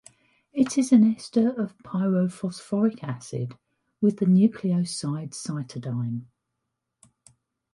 It is an ester of pyrophosphoric acid with the nucleoside cytidine.